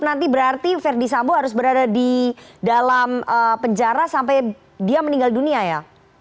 hukuman seumur hidup nanti berarti ferdisabu harus berada di dalam penjara sampai dia meninggal dunia ya